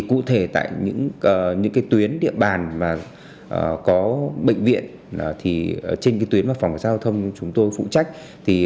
cụ thể tại những tuyến địa bàn có bệnh viện trên tuyến mà phòng giao thông chúng tôi phụ trách